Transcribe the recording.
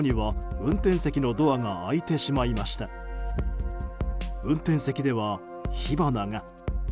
運転席では火花が。